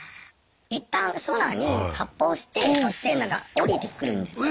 一旦空に発砲してそしてなんか降りてくるんですよ。